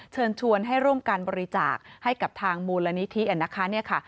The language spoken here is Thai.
เชิญชวนให้ร่วมการบริจาคให้กับทางมูลนิธินะคะ